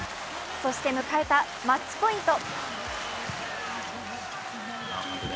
そして迎えたマッチポイント。